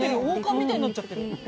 王冠みたいになっちゃってる。